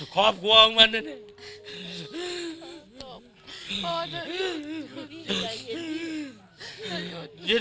ครอบครัวของมัน